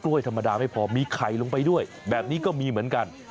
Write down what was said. ธรรมดาไม่พอมีไข่ลงไปด้วยแบบนี้ก็มีเหมือนกัน